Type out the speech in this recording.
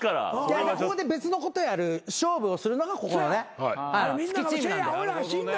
ここで別のことやる勝負をするのがここのね月チームなんで。